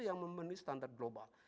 yang memenuhi standar global